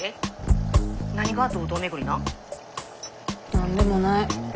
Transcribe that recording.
何でもない。